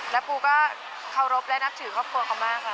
แล้วปูก็เคารพและนับถือครอบครัวเขามากค่ะ